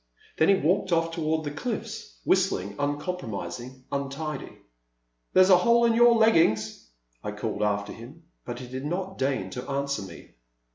Then he walked oflF toward the cliflFs, whis tling, uncompromising, untidy. There *s a hole in your leggings !" I called after him, but he did not deign to answer me.